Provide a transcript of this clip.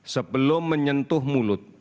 sebelum menyentuh mulut